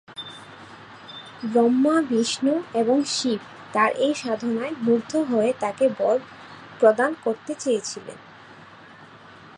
ব্রহ্মা, বিষ্ণু এবং শিব তার এই সাধনায় মুগ্ধ হয়ে তাকে বর প্রদান করতে চেয়েছিলেন।